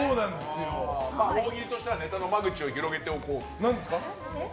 大喜利としてはネガの間口を広げておこうと。